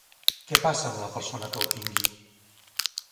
Què passa amb la persona que el tingui?